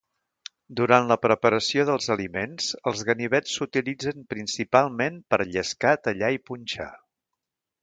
Durant la preparació dels aliments, els ganivets s'utilitzen principalment per llescar, tallar i punxar.